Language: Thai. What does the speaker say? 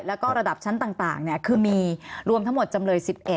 แล้วก็ระดับชั้นต่างคือมีรวมทั้งหมดจำเลย๑๑